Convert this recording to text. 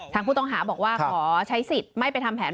ทางผู้ต้องหาบอกว่าขอใช้สิทธิ์ไม่ไปทำแผน